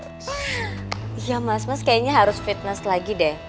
iya mas mas kayaknya harus fitness lagi deh